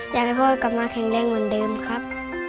อยากให้พ่อกลับมาแข็งแรงเหมือนเดิมครับ